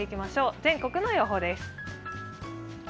全国の予報です。